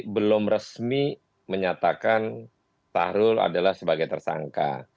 belum resmi menyatakan tahrul adalah sebagai tersangka